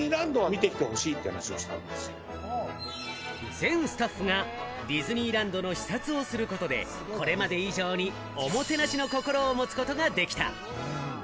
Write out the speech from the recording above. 全スタッフがディズニーランドの視察をすることで、これまで以上におもてなしの心を持つことができた。